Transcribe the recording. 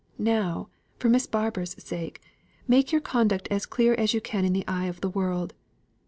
Now, for Miss Barbour's sake, make your conduct as clear as you can in the eye of the world.